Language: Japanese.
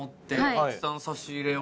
たくさん差し入れを買って。